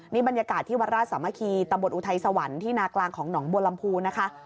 นี่บรรยากาศที่วัดราชสามัคคีตำบลอุทัยสวรรค์ที่นากลางของหนองบัวลำพูนะคะ